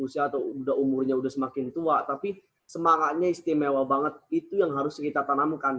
usia atau umurnya udah semakin tua tapi semangatnya istimewa banget itu yang harus kita tanamkan